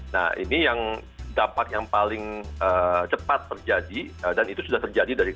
nah ini yang dampak yang paling cepat terjadi dan itu sudah terjadi dari